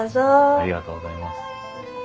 ありがとうございます。